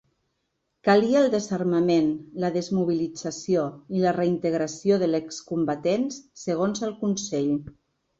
Calia el desarmament, la desmobilització i la reintegració d'excombatents, segons el Consell.